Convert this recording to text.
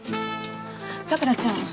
桜ちゃん